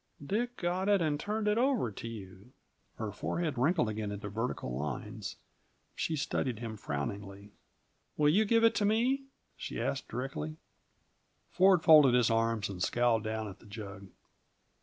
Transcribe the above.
"Dick got it and turned it over to you!" Her forehead wrinkled again into vertical lines. She studied him frowningly. "Will you give it to me?" she asked directly. Ford folded his arms and scowled down at the jug.